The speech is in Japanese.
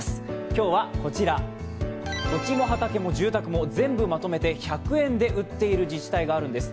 今日はこちら、土地も畑も住宅も全部まとめて１００円で売っている自治体があるんです。